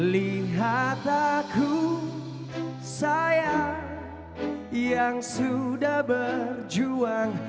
lihat aku saya yang sudah berjuang